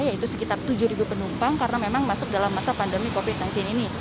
yaitu sekitar tujuh penumpang karena memang masuk dalam masa pandemi covid sembilan belas ini